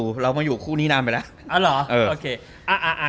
อ๊ะเราม่อยู่คู่นี้นานไปแล้วอเจมส์อ๋อหรอ